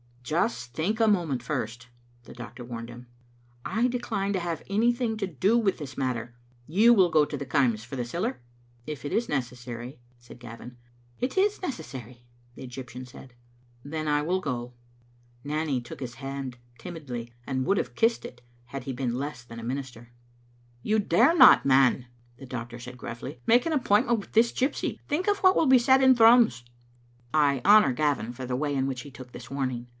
"Just think a moment first," the doctor warned him. "I decline to have anything to do with this matter. You will go to the Kaims for the siller?" " If it is necessary," said Gavin. " It is necessary," the Egyptian said. "Then I will go." Nanny took his hand timidly, and would have kissed it had he been less than a minister. Digitized by VjOOQ IC 123 UDe little A(itl0tct* ''You dare not, man," the doctor said gnif&y, ''make an appointment with this gypsy. Think of what will be said in Thrums." I honour Gavin for the way in which he took this warning.